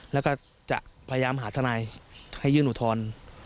แล้วก็จะพยายามหาทนายให้ยื่นอุทธรณ์